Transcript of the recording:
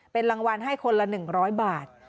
เป็นรางวัลให้คนละ๑๐๐บาท